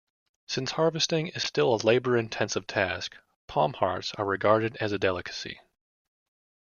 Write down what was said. Since harvesting is still a labor-intensive task, palm hearts are regarded as a delicacy.